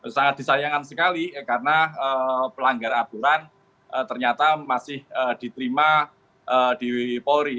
sangat disayangkan sekali karena pelanggar aturan ternyata masih diterima di polri